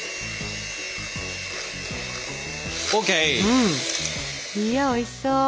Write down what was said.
うん。いやおいしそう。